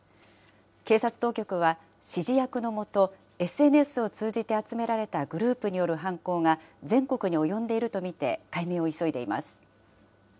警察当局は、指示役のもと、ＳＮＳを通じて集められたグループによる犯行が全国に及んでいると見て、解明を急いでいます。